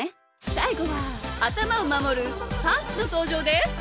さいごはあたまをまもるパンツのとうじょうです！